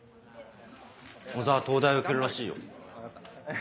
小沢東大受けるらしいよ。